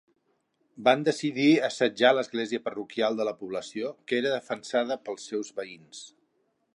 Van decidir assetjar l'església parroquial de la població, que era defensada pels seus veïns.